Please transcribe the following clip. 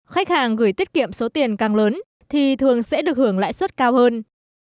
khách hàng gửi tiết kiệm số tiền càng lớn thì thường sẽ được hưởng lãi suất cao hơn